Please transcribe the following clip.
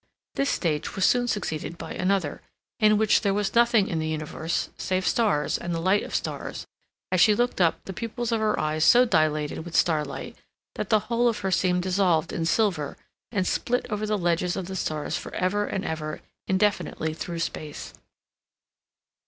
This stage was soon succeeded by another, in which there was nothing in the universe save stars and the light of stars; as she looked up the pupils of her eyes so dilated with starlight that the whole of her seemed dissolved in silver and spilt over the ledges of the stars for ever and ever indefinitely through space.